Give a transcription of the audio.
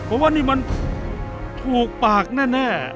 ผมว่านี่มันถูกปากแน่